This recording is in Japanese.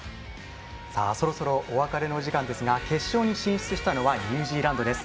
さあ、そろそろお別れのお時間ですが決勝に進出したのはニュージーランドです。